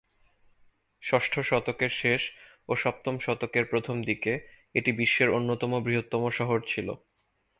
ষষ্ঠ শতকের শেষ ও সপ্তম শতকের প্রথম দিকে এটি বিশ্বের অন্যতম বৃহত্তম শহর ছিল।